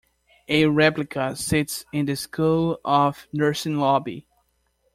A replica sits in the School of Nursing lobby.